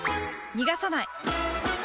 逃がさない！